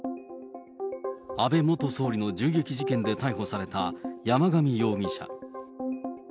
安倍元総理の銃撃事件で逮捕された山上容疑者。